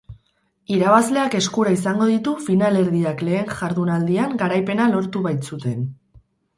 Irabazleak eskura izango ditu finalerdiak lehen jardunaldian garaipena lortu bait zuten.